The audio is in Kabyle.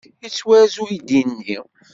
Yettwarez uydi-nni?